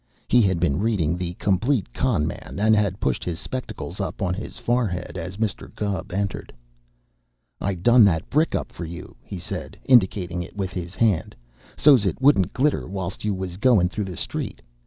He had been reading the "Complete Con' Man," and had pushed his spectacles up on his forehead as Mr. Gubb entered. "I done that brick up for you," he said, indicating it with his hand, "so's it wouldn't glitter whilst you was goin' through the street.